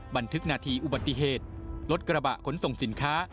บันทึกนาทีอุบัติเหตุรถกระบะขนส่งสินค้า